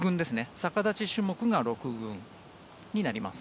逆立ち種目が６群になります。